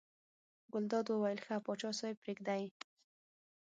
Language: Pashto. ګلداد وویل ښه پاچا صاحب پرېږده یې.